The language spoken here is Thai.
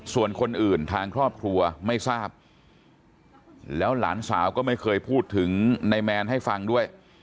ส่วนคนอื่นทางครอบครัวไม่ทราบแล้วหลานสาวก็ไม่เคยพูดถึงในแมนให้ฟังด้วย